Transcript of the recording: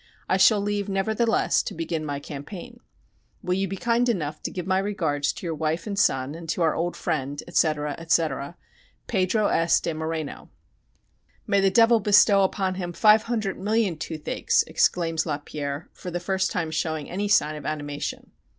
I shall leave, nevertheless, to begin my campaign. Will you be kind enough to give my regards to your wife and son, and to our old friend, etc., etc. PEDRO S. DE MORENO. "May the devil bestow upon him five hundred million toothaches!" exclaims Lapierre, for the first time showing any sign of animation.